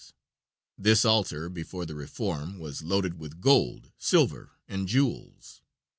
This altar, before the reform, was loaded with gold, silver, and jewels.